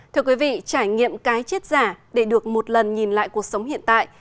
thưa quý vị trải nghiệm cái chết giả để được một lần nhìn lại cuộc sống hiện tại